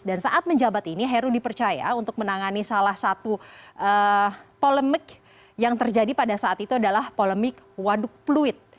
dan saat menjabat ini heru dipercaya untuk menangani salah satu polemik yang terjadi pada saat itu adalah polemik waduk pluit